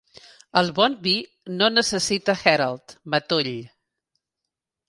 El bon vi no necessita herald (matoll).